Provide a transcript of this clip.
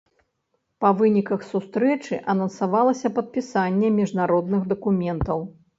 Па выніках сустрэчы анансавалася падпісанне міжнародных дакументаў.